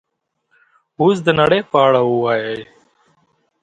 اوس د نړۍ په اړه ووایئ